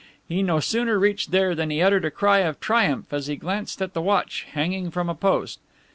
He no sooner reached there than he uttered a cry of triumph as he glanced at the watch banging from a post.